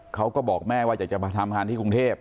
เขาก็บอกแม่ว่าอยากจะมาทำงานที่กรุงเทพ